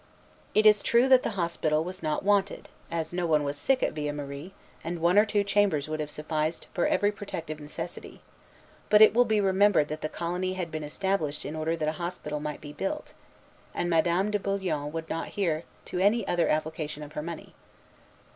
It is true that the hospital was not wanted, as no one was sick at Villemarie, and one or two chambers would have sufficed for every prospective necessity; but it will be remembered that the colony had been established in order that a hospital might be built, and Madame de Bullion would not hear to any other application of her money.